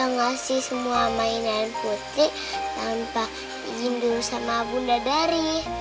mengasih semua mainan putri tanpa izin dulu sama bunda dari